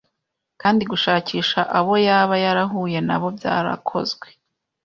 kandi gushakisha abo yaba yarahuye nabo byarakozwe